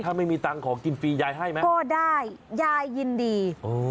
ถ้าไม่มีตังค์ของกินฟรียายให้ไหมก็ได้ยายยินดี